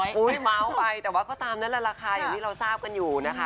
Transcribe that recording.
เมาส์ไปแต่ว่าก็ตามนั่นแหละราคาอย่างที่เราทราบกันอยู่นะคะ